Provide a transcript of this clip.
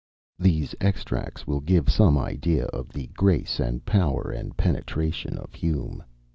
These extracts will give some idea of the grace, and power, and penetration of Hume.